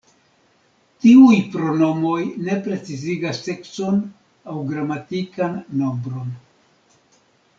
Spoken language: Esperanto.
Tiuj pronomoj ne precizigas sekson aŭ gramatikan nombron.